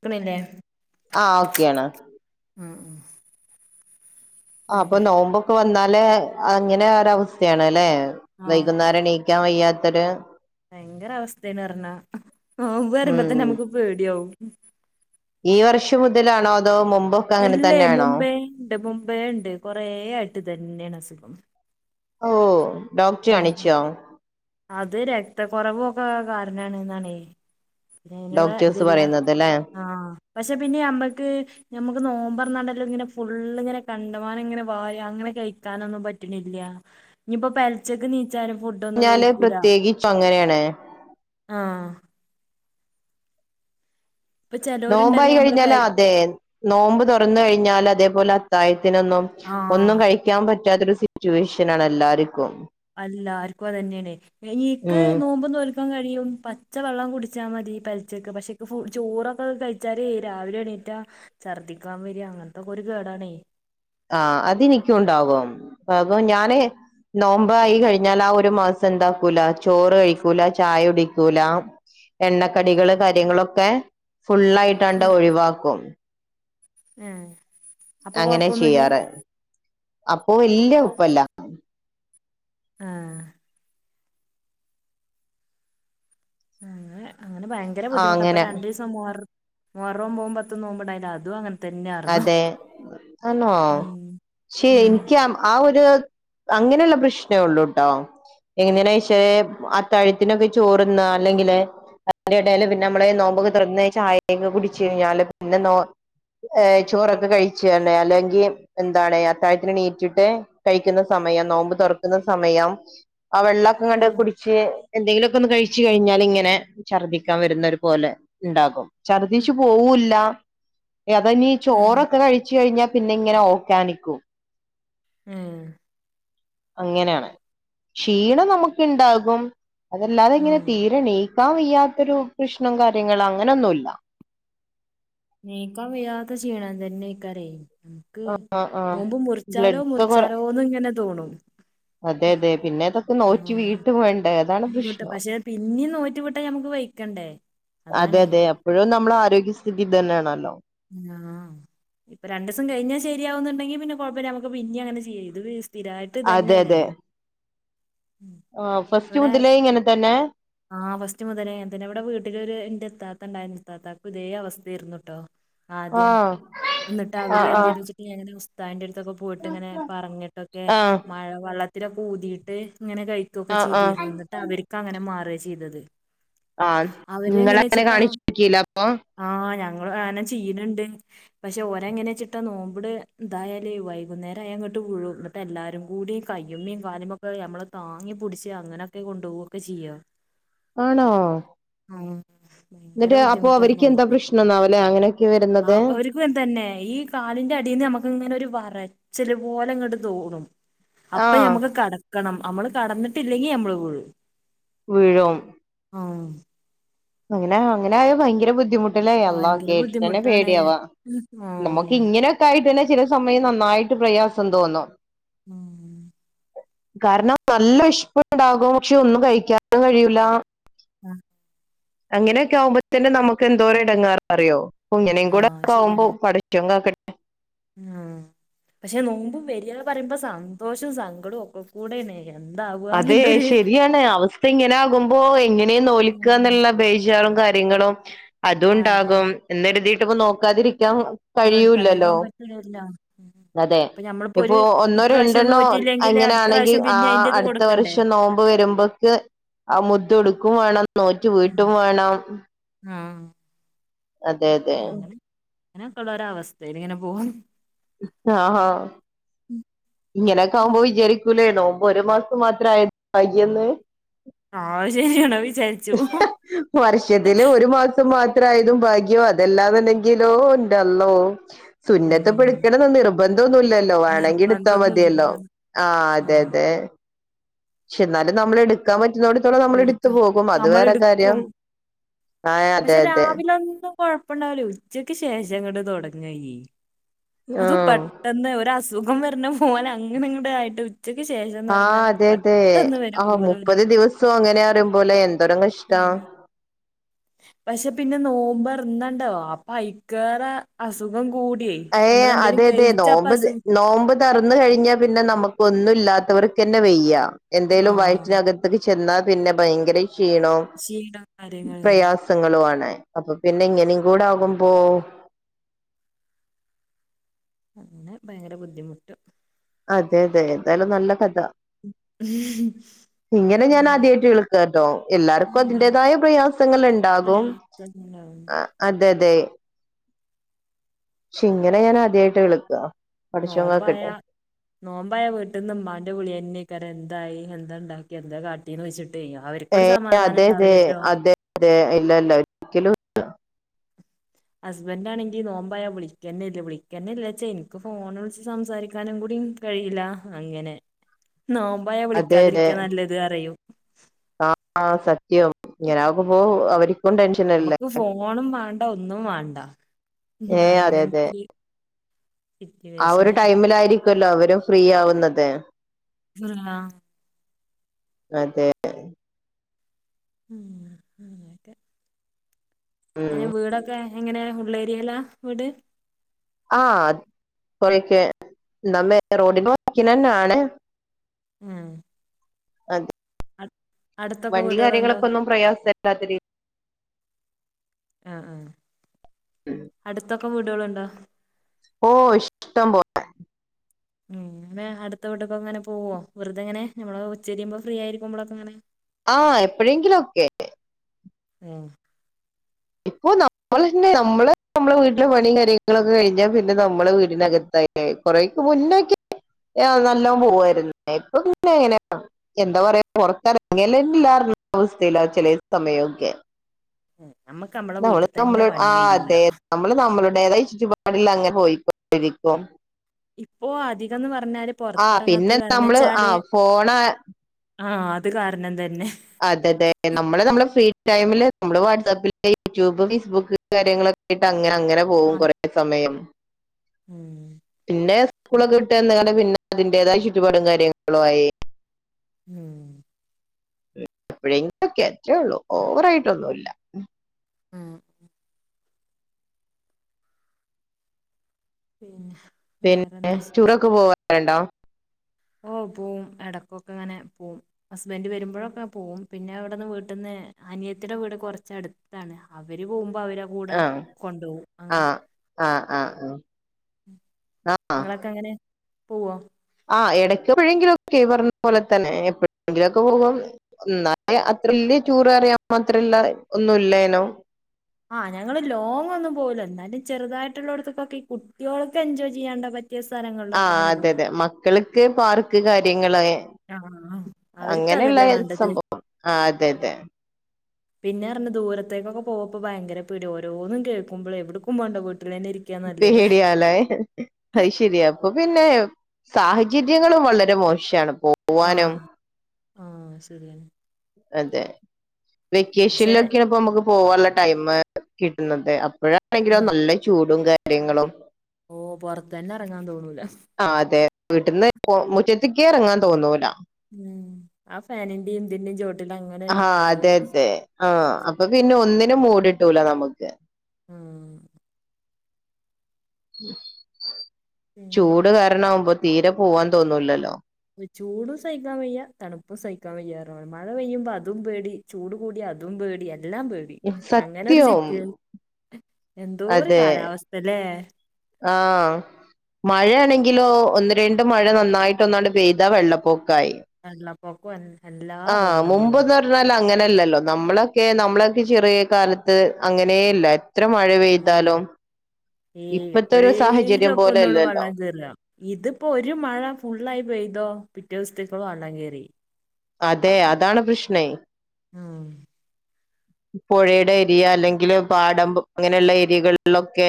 ക്ക്ണില്ലേ? ആഹ് ഓക്കെയാണ്. ഉം ഉം ആഹ് അപ്പൊ നോമ്പൊക്കെ വന്നാലേ അങ്ങനെ ഒര അവസ്ഥയാണ്ല്ലേ ആഹ് വൈകുന്നേരെണീ ക്കാൻ വയ്യാത്തൊര് ഭയങ്കര അവസ്ഥേണ് പറഞ്ഞാ നോമ്പ് ഉം പറിമ്പം തന്നെ നമക്ക് പേടിയാവും ഈ വർഷം മുതലാണോ അതോ മുമ്പൊ അല്ലേ മുമ്പേണ്ട് മുമ്പേണ്ട് കൊറേ ആയിട്ട് ഇതെന്നെയാണ് അസുഖം ഓഹ് ഡോക്ടെ കാണിച്ചോ അത് രക്ത കൊറവൊക്കെ കാരണാണ്ന്നാണെ പിന്നെ അതിനുള്ള ഡോക്ടേഴ്സ് ഇതുല്ല പറയുന്നത് അല്ലെ ആഹ് പക്ഷെ പിന്നെ നമ്മക്ക് നമക്ക് നോമ്പർന്നാടെന്നെ ഇങ്ങനെ ഫുള്ള് ഇങ്ങനെ കണ്ടമാനം ഇങ്ങനെ വാരി അങ്ങനെ കഴിക്കാനൊന്നും പറ്റ്ണില്ല ഇഞ്പ്പം പെൽച്ചക്ക് നീച്ചാലും ഫുഡൊന്നും കഴി പ്രത്യേകി പ്പ അങ്ങനെയാണ് ആഹ് ഇപ്പൊ ചെലോരുണ്ടല്ലേ നോമ്പായി നമ്മള് പെ കഴിഞ്ഞാല് അതെ നോമ്പ് തുറന്ന് കഴിഞ്ഞാൽ അതേപോലെ അത്തായത്തിനൊന്നും ആഹ് ഒന്നും കഴി ക്കാൻ പറ്റാത്തൊരു സിറ്റുവേഷനാണ് എല്ലാര്ക്കും അല്ലാര്ക്കും അത് തന്നെയാണെ ഇൻക്ക് ഉം നോമ്പ് നോൽ ക്കാൻ കഴിയും പച്ച വെള്ളം കുടിച്ചാ മതി പെൽച്ചക്ക് പക്ഷേ ഇൻക് ഫു ചോറൊക്കെ കഴിച്ചാല് രാവിലെ എണീറ്റാ ഛർദ്ദിക്കാൻ വെര അങ്ങൻത്തൊക്കെ ഒരു കേടാണേ ആഹ് അതെനിക്കുണ്ടാവും അപ്പൊ ഞാന് നോമ്പായി കഴിഞ്ഞാല് ആഹ് ഒരു മാസം എന്താക്കൂല ചോറ് കഴിക്കൂല ചായ കുടിക്കൂല എണ്ണക്കടികള് കാര്യങ്ങളൊക്കെ ഫുള്ളായിട്ടാണ്ട് ഉം ഒഴിവാക്കും ഏഹ് അപ്പൊ അങ്ങനെ കൊഴപ്പൊന്നുല്ല ചെയ്യാറ് അപ്പൊ വല്യ ഉപ്പെല്ല ആഹ് അങ്ങനെ ഭയങ്കര ആഹ് ബുദ്ധിമുട്ടാ ഇപ്പൊ അങ്ങനെ രണ്ടീസ സം മുഹർ മുഹറം ഒമ്പതും പത്തും നോമ്പുണ്ടായിനി അതും അങ്ങനെ തന്നെയാർന്നു അതെ ആണോ ഉം ക്ഷേ ഉം ഇൻക്ക് ആ ആഹ് ഒരു അങ്ങനെയുള്ള പ്രശ്നേ ഉള്ളൂട്ടോ എങ്ങനെയാണ് ക്ഷേ അത്താഴത്തിനൊക്കെ ചോറുന്ന അല്ലെങ്കിലേ അയിന്റടേല് പിന്നെ നമ്മളെ നോമ്പൊക്കെ തൊറന്ന് ചായൊക്കെ കുടിച്ച് കഴിഞ്ഞാല് പിന്നെ നോ ഏ ചോറൊക്കെ കഴിച്ചു തന്നെ അല്ലെങ്കിൽ എന്താണ് അത്താഴത്തിന് ണീറ്റിട്ട് കഴിക്കുന്ന സമയം നോമ്പ് തൊറക്കുന്ന സമയം ആഹ് വെള്ളൊക്കെണ്ട് ഉം കുടി ച്ച് എന്തെങ്കിലുമൊക്കെ ഒന്ന് കഴിച്ചു കഴിഞ്ഞാൽ ഇങ്ങനെ ഛർദ്ദിക്കാൻ വരുന്ന ഒരു പോലെ ണ്ടാകും ഉം ഛർദ്ദിച്ച് പോവൂല്ല അതന്നീ ഉം ചോറൊക്കെ കഴിച്ച് കഴിഞ്ഞാൽ പിന്നെ ഇങ്ങനെ ഓക്കാനിക്കും ഉം അങ്ങനെയാണ് ക്ഷീണം നമുക്ക് ണ്ടാകും അതല്ലാതെ ഇങ്ങനെ ആഹ് തീരെ ണീ ക്കാൻ വയ്യാത്തൊരു പ്രശ്നം കാര്യങ്ങൾ അങ്ങനൊന്നുല്ല്യ നീക്കാൻ വയ്യാത്ത ക്ഷീണം തന്നെ ആയിക്കാരേ ക്ക് ആ ആ നോമ്പ് മുറിച്ചാലോ ബ്ലഡ് ഒക്കെ കൊറ മുറിച്ചാലോന്ന് ഇങ്ങനെ തോണും അതെ അതെ പിന്നെ ഇതൊക്കെ നോറ്റ് വീട്ടും വേണ്- ട്ട് പക്ഷെ പിന്നെ നോറ്റി വിട്ടാ നമ്മക്ക് വയ്ക്കണ്ടേ അതാണ് പ്പഴും നമ്മുടെ ആരോഗ്യസ്ഥിതി ഇത് തന്നെയാണല്ലോ ആഹ് ഇപ്പൊ രണ്ട് ദിസം കഴിഞ്ഞാ ശരിയാകുന്നുണ്ടങ്കിൽ പിന്നെ കുഴപ്പമില്ല നമ്മക്ക് പിന്നെ അങ്ങെ ചെയ്യാം ഇത് സ്ഥിരായിട്ട് ത്ത് ഇതന്നെയാണ് ആഹ് ഫസ്റ്റ് മുതലേ ഇങ്ങനെ തന്നെ ആഹ് ഫസ്റ്റ് മുതലേ ഇങ്ങനെ തന്നെ ഇവിടെ വീട്ടിലൊരു എന്റെ ഇത്താത്ത ണ്ടായിരുന്നു ഇത്താത്താക്കും ഇതേ അവസ്ഥായിരുന്നു ട്ടോ ആ ആദ്യം എന്നിട്ട് ആ അവര് ആ എന്ത് ചെയ്തു ച്ച് ഇങ്ങനെ ഉസ്താന്റെ അടുത്തൊക്കെ പോയിട്ടിങ്ങനെ പറഞ്ഞിട്ടൊക്കെ ആ മഴ വെള്ള ത്തിലൊക്കെ ഊതിയിട്ട് ഇങ്ങനെ കഴിക്കൊക്കെ ആ ആ ചെയ്തീരുന്നു എന്നിട്ട് അവര്ക്ക് അങ്ങനെ മാറാ ചെയ്തത് ആം അവര് എങ്ങനെ നിങ്ങളങ്ങനെ വെച്ചിട്ടാ കാണിച്ചീലപ്പം ആഹ് ഞങ്ങളും അങ്ങനെ ചെയ്യ്ണ് ണ്ട് പക്ഷെ ഓരെങ്ങനി വെചിട്ട നോമ്പിന് എന്തായാല് വൈകുന്നേരായ ഇങ്ങട്ട് വിഴും ന്നിട്ട് എല്ലാരും കൂടി കയ്യുമ്മേം കാലുമ്മൊക്ക നമ്മള് താങ്ങി പിടിച്ച് അങ്ങനൊക്കെ കൊണ്ടോവക്ക ചെയ്യാ ആണോ അയ ഭയങ്കര ബുദ്ധിമുട്ടായിരുന്നു അവർക്ക് നന്നാവൂല അങ്ങനെ ആഹ് ഒരു ഇപ്പത്തന്നെ ഈ കാലിന്റെ അടീന്ന് നമ്മക്ക് ഇങ്ങനെ ഒരു വറച്ചില് പോലങ്ങട്ട് തോന്നും ആ അപ്പ ഞമ്മക്ക് കടക്കണം നമ്മള് കടന്നിട്ടില്ലെങ്കി നമ്മള് വീഴും വീഴും ആം അങ്ങനെ അങ്ങനെയായാ ഭയങ്കര ബുദ്ധിമുട്ട് ലെ അള്ളാ ഭയങ്കര കേട്ടിട്ടന്നെ ബുദ്ധിമുട്ടാണ് പേടിയാവാ നമ്മക്ക് ആഹ് ഇങ്ങനെ ആയിട്ടന്നെ ചില സമയം നന്നായിട്ട് പ്രയാസം തോന്നും ഉം കാരണം നല്ല വെശ്പ്പിണ്ടാകും പക്ഷെ ഒന്നും കഴിക്കാൻ കഴിയൂല ആ അങ്ങനെയൊക്കെ ആവുമ്പോ തന്നെ നമ്മക്ക് എന്തോരം എടങ്ങേറാ അറിയോ അങ്ങനേം ആഹ് കൂടക്കെ ആകുമ്പോ പടച്ചോൻ കാക്ക് ഉം പക്ഷെ നോമ്പ് വെരാ പറയുമ്പോ സന്തോഷവും സങ്കടവും ഒക്കെ കൂടെ ആണ് എന്താവും അതെ ശരിയാണ് അവസ് ഇപ്പിങ്ങനാകുമ്പോ എങ്ങനെയാ ഉം നോല്ക്കാന്നുള്ള ബേജാറും കാര്യങ്ങളും കാര്യം അതുംണ്ടാകും എന്ന് കര്തീട്ട് ഇപ്പ നോക്കാതിരിക്കാം നോൽക്കാതിരിക്കാൻ പറ്റീന്ന് വെരില്ലാ അതെ ഇപ്പൊ ഒന്നോ ഇപ്രാവശ്യം രണ്ടെണ്ണോ നോറ്റില്ലെങ്കില് അടുത്ത അങ്ങനാണെങ്കിൽ പ്രാവശ്യം ആ പിന്നെ അയിന്റെത് അടുത്ത കൊടുക്കണ്ടേ വർഷം നോം മ്പ് വെര്മ്പെക്ക് ആഹ് മുദു എടുക്കോം വേണം നോറ്റി വീട്ടും വേണം ഉം അതെ തെ അങ്ങനൊക്കൊള്ളൊര് അവസ്ഥയില് ഇങ്ങനെ പോവ്ന്ന് ആഹ് ഹാ ഉം ഇങ്ങനെക്കെ ആവ്മ്പോ വിചാരിക്കൂല്ലോ നോമ്പ് ഒര് മാസം മാത്രാ ആ യ്യന്ന് ആഹ് ശേരിയാണ് ആ വിചാ വർഷത്തില് ഒര് മാസം മാ ത്രായതും ഭാഗ്യം അത് അല്ലാതുണ്ടങ്കില്ലോ എൻ്റെ അള്ളോ സുന്നത്തിപ്പയടുക്കണേ നിർ ബന്ധൊന്നുല്ലല്ലോ വേണങ്കി എടുത്താ നിർബന്ധൊന്നുല്ല മതിയല്ലോ ആഹ് അതെ തെ പക്ഷേ എന്നാലും നമ്മള് എട്ക്കാൻ പറ്റുന്നോടത്തോളം നമ്മൾ എടുക്ക എട്ത്ത് പോകും അത് വേറെ കാര്യം ആഹ് അതെ പക്ഷേ അതെ രാവിലെ ഒന്നും കൊഴപ്പോണ്ടാവില്ല ഉച്ചക്ക് ശേഷം അങ്ങട് തൊടങായി അതും പെ ആഹ് ട്ടന്ന് ഒര് അസുഖം വെരണ പോലങ്ങനെങ്ങട് ആയിട്ട് ഉ ച്ചക്ക് ശേഷം എന്ന് ആഹ് പറഞ്ഞാൽ അതെ അതെ പെട്ടെന്ന് വരും ആഹ് പോലെ ഒരു മുപ്പത് ദിവസോം അങ്ങനെയാന്ന് പറയും പോലെ എന്തോരം കഷ്ടവ പക്ഷേ പിന്നെ നോമ്പൊറാന്നാണ്ടവ അപ്പൊ അയിക്ക്യാറേ അസുഖം കൂടിയേ യെ നമ്മളെന്തേലും അതെ അതെ കഴിച്ചപ്പ നോമ്പ് അസുഖം നോമ്പ് തൊറന്ന് കഴിഞ്ഞാ പിന്നെ നമ്മക്ക് ഒന്നും ഇല്ലാതർക്ക് തന്നെ വായ്യാ ആ എന്തേലും വയറ്റിനക ത്ത് ചെന്നാ പിന്നെ ബയങ്കര ക്ഷീണോം ക്ഷീണം കാര്യങ്ങളില്ലേ പ്രയാസ് ങ്ങളും ആണ് അപ്പ പിന്നെ ഇങ്ങനെ കൂടെ ആക്മ്പോ- അങ്ങനെ ബയങ്കര ബുദ്ധിമുട്ട്- അതെ അതെ എന്തായാലും നല്ലാ കഥ. [unintelligible] ഇങ്ങനെ ഞാൻ ആദ്യായിട്ട്- കേൾക്കാട്ടോ എല്ലാർക്കും ഉം. അതിൻ്റെതായാ പ്രയാസങ്ങള് ഇണ്ടാകും. [unintelligible] ആഹ്, അതെ, അതെ. ശേ ഇങ്ങനെ ഞാൻ ആദ്യായിട്ട് കേൾക്ക്യായാ. നോമ്പ് ആയാ- നോമ്പായ വീട്ടിന്ന് ഉമാൻ്റെ വിളിയാ, [unintelligible] എന്തായി, എന്താ ഇണ്ടാക്കിയേ, എന്താ കട്ടീന്ന് വെച്ച്- ന്തേയ്യി അവര്ക്കൊര് ഏഹ് സമാധാനം അതെ അതെ ഒണ്ടാവില്ലോലോ. അതെ അതെ ഇല്ലാ, ഇല്ലാ. ഹാസ്ബോൻ്റെ ആണേങ്കി- നോമ്പയാ വിളിക്ക്യാന്നെ ഇല്ല. വിളിക്ക്യാന്നെ ഇല്ലാച്ചാ, എനിക്ക് ഫോൺ വിളിച്ച് സംസാരിക്കാനും കൂടിമ് - കഴിയില്ലാ അങ്ങനെ, നോമ്പായാ അതെ അതെ വിളിക്കാതിരിക്ക്യാ നല്ലത് അറിയും. ആഹ് സത്യം ഇങ്ങന അവ്മ്പോ- അവര്ക്കും ടെൻഷനാല്ലേ. നമുക്ക് ഫോണും മാണ്ടാ ഒന്നും വേണ്ട- ഏഹ് അങ്ങനത്തെ ഇ- ആഹ് ഒര് ടൈമിലായിരിക്കു അല്ലോ അവരും ഫ്രീ ആവ്ന്നാത്. [unintelligible] അതെ. ഉം ഉം. [unintelligible] ഉം എങ്ങെനെ വീടൊക്ക്യേ, എങ്ങനെയാ ഉള്ള് ഏരിയലാ വീട്. ആഹ് കൊറേക്ക്യയേ, [unintelligible] വക്ക്ന്നെയാണ്. ഉം. അതെ അടുത്തൊക്കെ വണ്ടി വീടുകളുണ്ടോ കാര്യങ്ങളൊക്ക ഒന്നും പ്രയാസം ഇല്ലാത്ത രീതി- ആഹ് ആഹ്. ഉം. അട്ത്തൊക്ക്യയേ വീട്കള് ഒണ്ടോ? ഓ ഇഷ്ടം പോലേ. ഉം അട്ത്ത് വിട്ട്ക്ക് അങ്ങനെ പോവോ വെറുതെ ഇങ്ങനെ, നമ്മള് ഉച്ചക്കിരിക്കുമ്പോ ഫ്രീ- ആയിരിക്ക്മ്പോളൊ ഒക്കെ ഇങ്ങനെ. ആ എപ്പോഴെങ്കിലും ഒക്കെ. ആഹ. ഇപ്പോ നമ്മൾന്നെ നമ്മെ, നമ്മളെ- വീട്ടെ പണിയും കാര്യങ്ങളൊക്കെ കഴിഞ്ഞാ പിന്നെ നമ്മെ, വീടിനകത്തായി കൊറെക്ക് മുന്നൊക്കെ നല്ലോമ് പോവായിന്, ഇപ്പ ഇങ്ങനെങ്ങനെയ? എന്താ പറയാ- പുറക്കങ്ങ [unintelligible] അവസ്ഥയില ചെല സമയമൊക്കെ- നമ്മുക്ക്- നമ്മള് നമ്മ ആഹാ അതെ നമ്മള് നമ്മളുടേതായ ചുറ്റുപാടിൽ- അങ്ങനെ പോയിക്കഴിക്കും. ഇപ്പോ അധികംന്ന് പറഞ്ഞാല്- ആ പിന്നെ പൊറത്തിറങ്ങാത്ത കാരന്ന് നമ്മള് ആ വെച്ചാല്- ഫോണ് ആഹാ അത് കാരണം തന്നെ- അതെ, അതെ നമ്മള് നമ്മെ ഫ്രീ- ടൈമില് നമ്മള് വാട്സആപ്പില്- യൂട്യൂബ്, ഫേസ്ബുക്ക്- കാര്യങ്ങളൊക്കെ ആട്ട് അങ്ങനെ- അങ്ങനെ പോകും കുറെേ സമയം. ഉം. പിന്നെ സ്കൂളൊക്കെ ഇട്ട് എന്ത- പിന്നെ അതിന്റേതായ ചുറ്റുപാടും കാര്യങ്ങളും ആഹാ, ഉം. എപ്പോഴെങ്കലും ഒക്കെ അത്രേള്ളൂ, ഓവറ ആയിട്ടൊന്നുമല്ല. ഉം. പിന്നെ. പിന്നെ വേറെന്ത് വിശേ ചുറക്ക് പോവാറുണ്ടോ? ഓ പോവും ഇടയ്ക്കൊക്കെ- ഇങ്ങനെ പോകവും. ഹസ്ബൻന്റ് വരുമ്പോഴൊക്കെ- പോകും പിന്നെ അവിടെന്ന് വീട്ടന്ന് അനിയത്തിടെ വീട് കുറച്ചടുത്ത്- ണ് അവര് പോകുമ്പോ അവ- ആഹ് ആഹ് ആഹ് ആഹ് ആഹ് നിങ്ങളൊക്കെ അങ്ങനെ പോവോ ആഹ് എടക്ക് എപ്പോഴെങ്കിലൊക്കെ പറഞ്ഞപോലെ തന്നെ എപ്പോഴെങ്കിലും ഒക്കെ പോകം എന്ന അത്രല് ടൂറ് അറിയാൻ അത്രല്ല ഒന്നുംല്ലേനോ ആഹ് ഞങ്ങള് ലോങ് ഒന്നും പോല്ല എന്നാലും ചെറുതായിട്ടുള്ള ഇടത്തക്കൊക്കെ ഈ കുട്ടിയൊൾക്ക് എൻജോയ് ചെയ്യാണ്ട പറ്റ് മറ്റേ ആഹ് സ്ഥലങ്ങളിലക്കെങ്ങനെ അതെ പോകും അതെ മക്കൾക്ക് പാർക്ക് കാര്യങ്ങള ആഹ് അവർക്ക് അങ്ങനെള്ള അതല്ലേ വേണ്ടത് സംഭവം ആഹ് അതെ അതെ പിന്നെറഞ്ഞ ദൂരത്തേക്കൊക്കെ പോകപ്പോ ഭയങ്കര പീടി ഓരോന്നും കേൾക്കുമ്പോൾ എവിടുക്കുമ്പോണ്ട വീട്ടിൽ തന്നെ ഇരിക്ക പേടിയാല്ലേ അയ്ശരിയാ അപ്പൊ പിന്നെ സാഹചര്യങ്ങളും വളരെ മോശാണ്പ്പോ ആഹ് ആഹ് ശരിയാണ് അതെ പക്ഷെ വെക്കേഷനിലൊക്കെയ ഇപ്പൊ നമുക്ക് പോവാനുള്ള ടൈം കിട്ടുന്നത് അപ്പോഴാണെങ്കിലോ നല്ല ചൂടും കാര്യങ്ങളും ഓഹ് പുറത്തന്നെ ഇറങ്ങാൻ തോന്നൂല ആഹ് അതെ വീട്ടന്ന് മുറ്റത്തകേറങ്ങാൻ തോന്നൂല ഉം ആ ഫാനിന്റെയും ഇന്തിന്റെയും ചോ ആഹ് അതെ അതെ ആഹ് അപ്പൊ പിന്നെ ഒന്നിനും മൂടിട്ടൂല നമുക്ക് ഉം ചൂ പിന്നെ കാരണമാകുമ്പോ തീരെ പോവാൻ തോന്നൂല്ലല്ലോ ചൂടും സഹിക്കാൻ വയ്യ തണുപ്പും സഹിക്കാൻ പയ്യാ മഴ പെയ്യുമ്പോ അതും പേടി ചൂട് കൂടിയ അതും പേടി എല്ലാം പേടി അങ്ങനെരു സത്യം സിറ്റ എന്തോ ഒരു അതെ കാലാവസ്ഥല്ലേ ആഹ് മഴയാണെങ്കിലോ ഒന്ന് രണ്ട മഴ നന്നായിട്ട് ഒന്നാണ്ട് പെയ്താ വെള്ളപ്പൊക്കായി വെള്ള പോക്കന്നെ ആഹ് മുമ്പ് അങ്ങനെയല്ലല്ലോ നമ്മളൊക്കെ നമ്മളൊക്കെ ചെറിയ കാലത്ത് അങ്ങനെയല്ല എത്ര മഴ ഉം പെയ്താലും ഏയ് ഇപ്പത്തെ ഒരു സാഹചര്യം പോലെല്ലല്ലോ അല്ല ഇതിപ്പോ ഒരു മഴ ഫുള്ളായി പെയ്തോ പിറ്റേ ദിവസത്തേക്കളോ വള്ളം കയറി അതെ അതാണ് പ്രൃഷ്നേ ഉം പോഴെടെ ഏരിയ അല്ലെങ്കിൽ പാടം അങ്ങനെയുള്ള ഏരിയകളിലൊക്കെ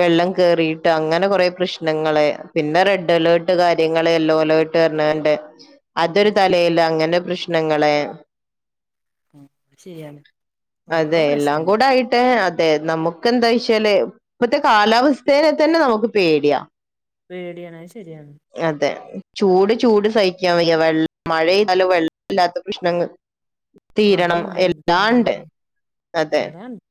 വെള്ളം കേറിട്ട് അങ്ങനെ കൊറെേ പ്രശ്നങ്ങള് പിന്നെ റെഡ് അലേർട്ട് കാര്യങ്ങള് യെല്ലോ അലേർട്ട് ണ്ട് അതൊരു ഉം തലേല് അങ്ങനേ പ്രശ്നങ്ങള് ശരിയാണ് ഓരോ പ്രശ്ന മേ അതെ നമുക്ക്ന്താ വെച്ചാല് ഇപ്പത്തെ കാലാവസ്ഥേനെ തന്നെ നമുക്ക് പേടിയാ പേടിയണ അയ്ശരിയാണ് അതെ ചൂട് ചൂട് സഹിക്കാൻ വയ്യ വെള്ള മഴയാലും വെള്ളം ഇല്ലാത്ത പ്രശ്നങ്ങൾ അതും തീരണം ഉണ്ട് എല്ലാണ്ട് എല്ലാണ്ട്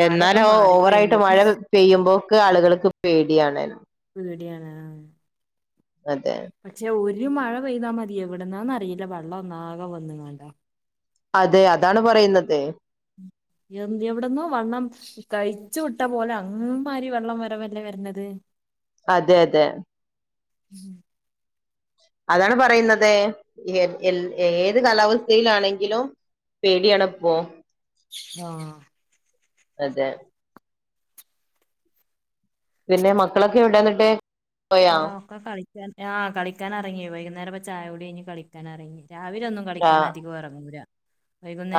കാലൊക്കെ എന്നാലും ഓവറായിട്ട് മാറിക്കഴിഞ്ഞു മഴ പെയ്യുമ്പോക്കെ ആളുകൾക്ക് പേടിയാണ് പേടിയാണ് ആഹ് അതെ പക്ഷെ ഒരു മഴ പെയ്താൽ മതി എവിടുന്നാന്ന് അറിയില്ല വള്ളം ഒന്നാകെ വന്നു കണ്ടോ അതെ അതാണ് പറയുന്നത് എഹ് എവിടെന്നോ വണ്ണം കഴിച്ചു വിട്ട പോലെ അങ്മാരി വെള്ളം മരവല്ലേ വര്ണത് അതെ അതെ ഉം അതാണ് പറയുന്നത് എ ഏത് കാലാവസ്ഥയിലാണെങ്കിലും പേടിയാണിപ്പോ ആഹ് അതെ പിന്നെ മക്കളൊക്കെ എവിടെ എന്നിട്ട് ഇതാ ഒക്കെ കളിക്കാൻ ആഹ് കളിക്കാൻ ഇറങ്ങി വൈകുന്നേരപ്പ ചായുടി കഴിഞ്ഞ് കളിക്കാൻ ഇറങ്ങി രാവിലെ ഒന്നും കളിക്കാൻ അധികം എറങ്ങൂലാ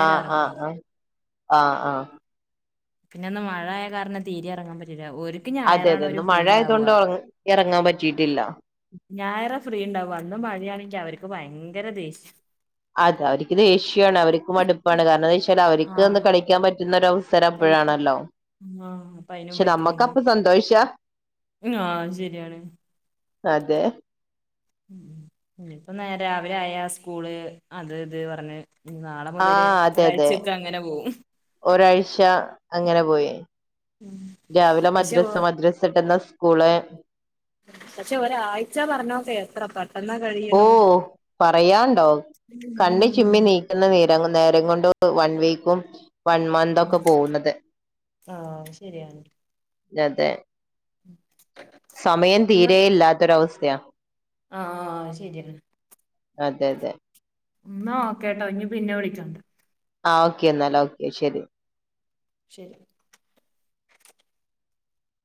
ആഹ് ആഹ് ആഹ് ആഹ് ആഹ് പിന്നെന്ന് മഴായ കാരണം തീരെ ഇറങ്ങാൻ പറ്റിയില്ല ഒരു അതെ അതെ ഇന്ന് ഫ്രീ മഴ ആയതു ഇണ്ടാവുക കൊണ്ട് ഇറങ്ങാൻ പറ്റിയിട്ടില്ല ഞായറ് ഫ്രീ ഉണ്ടാവും അന്ന് മഴയാണെങ്കിൽ അവർക്ക് ഭയങ്കര ദേഷ്യ അതെ അവർക്ക് ദേഷ്യാണ് അവർക്ക് മടുപ്പാണ് കാരണം എന്താ വെച്ചാൽ അവർക്ക് ആഹ് കളിക്കാൻ പറ്റുന്നൊരവസ്ഥ കളി പ്പോഴാണല്ലോ ആഹ് അപ്പൊ അയിനും പക്ഷെ നമ്മക്ക് പറ്റില്ലെങ്കി അപ്പ സന്തോഷാ ആഹ് ശരിയാണ് അതെ ഉം ഇതിപ്പൊ ന രാവിലെ ആയാ സ്കൂള് അത് ഇത് പറഞ്ഞ് നാളെ ആ മുതല് ഒരാഴ്ചൊക്കെ അങ്ങനെ പോവും ഒരാഴ്ച്ച അങ്ങനെ പോയി രാവിലെ പക്ഷെ മദ്രസ മദ്രസ ആട്ടെന്താ സ്കൂള് പക്ഷെ ഒരാഴ്ച പറഞ്ഞൊക്കെ എത്ര പട്ട ഓഹ് പറയാണ്ടോ കണ്ണി ഉം ചിമ്മിനി നേരം കൊണ്ട് വൺ വീക്കും വൺ മന്തൊക്കെ പോന്നത് ആഹ് അതെ ഉം സമയം തീരെ ഇല്ലാത്തൊരവസ്ഥയാ ആഹ് ആഹ് ശരിയാണ് അതെ അതെ എന്നാ ഓക്കേട്ടൊ ഇനി പിന്നെ വിളിക്കാം ആഹ് ഓക്കെ എന്നാൽ ഓക്കെ ശരി ശരി